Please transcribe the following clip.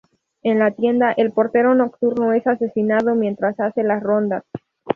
En la tienda, el portero nocturno es asesinado mientras hace las rondas.